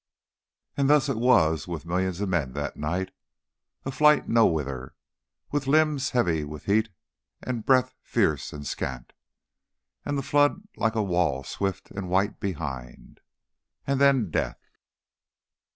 And thus it was with millions of men that night a flight nowhither, with limbs heavy with heat and breath fierce and scant, and the flood like a wall swift and white behind. And then death.